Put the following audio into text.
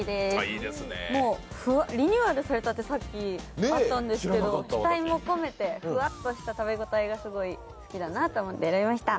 リニューアルされたってさっきあったんですけど、期待も込めて、ふわっとした食べ応えがすごい好きだなと思って選びました。